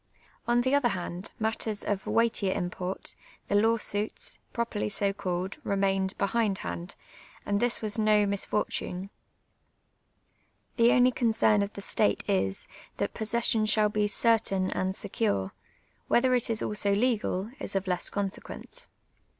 On the other hand, matters of weightier im])ort, the law suits, pro perly so called, ri'mained behindhand, and this was no mis fortune. The only concern of the state is, that possession shall be certain and secure ; whether it is also legal, is of less consequence.